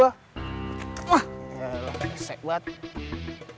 wah ya elah geseh banget